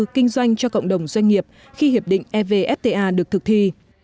kinh doanh cho cộng đồng doanh nghiệp khi hiệp định evfta được thực thi